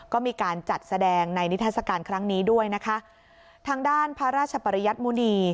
ก็มีการจัดแสดงในนิทัศกาลครั้งนี้ด้วยนะคะทางด้านพระราชปริยัติมุณี